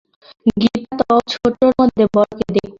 গীতা তো ছোটর মধ্যে বড়কে দেখতে শেখায়।